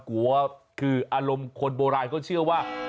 กลัวคืออารมณ์คนโบราณเขาเชื่อว่า